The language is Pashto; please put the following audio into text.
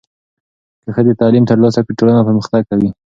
که ښځې تعلیم ترلاسه کړي، ټولنه پرمختګ کوي.